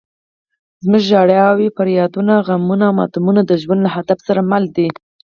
زموږ ژړاوې، فریادونه، غمونه او ماتمونه د ژوند له هدف سره مل دي.